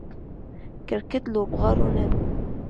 کرکټ لوبغاړو نن